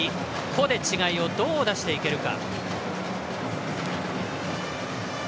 個で違いをどう出していけるか。